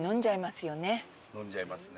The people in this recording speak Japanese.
飲んじゃいますね。